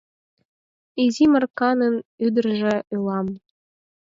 Изи Марканын ӱдыржӧ улам